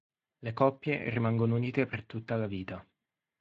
Le coppie rimangono unite per tutta la vita.